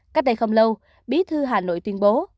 cách đây không lâu bí thư hà nội tuyên bố